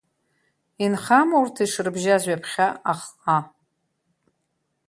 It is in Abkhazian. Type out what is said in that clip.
Инхама урҭ ишрыбжьаз ҩаԥхьа ахҟа?